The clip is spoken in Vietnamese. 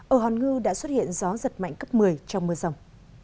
ở hòn ngư đã xuất hiện gió giật mạnh cấp một mươi trong mưa rồng